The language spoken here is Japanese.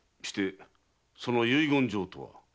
してその遺言状とは？